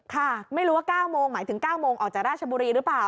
ค่ะไม่รู้ว่า๙โมงหมายถึง๙โมงออกจากราชบุรีหรือเปล่า